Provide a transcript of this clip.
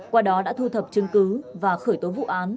qua đó đã thu thập chứng cứ và khởi tố vụ án